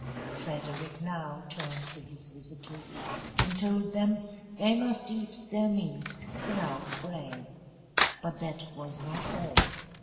Frederick now turned to his visitors, and told them they must eat their meat without bread. But that was not all.